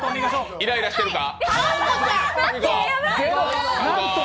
イライラしてるか？